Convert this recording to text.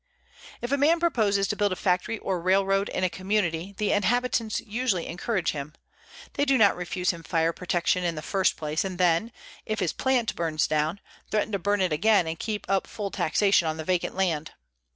If a man proposes to build a factory or railroad in a community the inhabitants usually encourage him. They do not refuse him fire protection in the first place and then, if his plant burns down, threaten to burn it again and keep up full taxation on the vacant land.